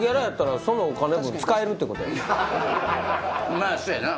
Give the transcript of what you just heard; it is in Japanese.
まあそやな。